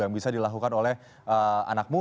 yang bisa dilakukan oleh anak muda